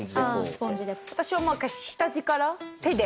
私は下地から手で。